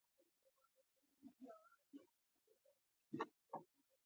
یار دې له ما لرې شه ما ورته په سر.